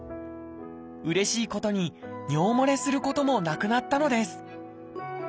うれしいことに尿もれすることもなくなったのです